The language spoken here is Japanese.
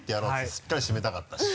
しっかり締めたかったし。